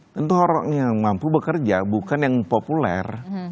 tentu orang yang mampu bekerja bukan yang populer